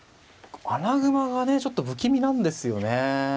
穴熊がねちょっと不気味なんですよね。